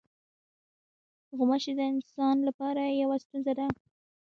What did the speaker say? غوماشې د انسان لپاره یوه ستونزه ده.